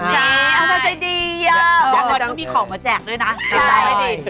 ใช่อาจารย์จะดีอะเพราะมันก็มีของมาแจกด้วยนะทำได้ดี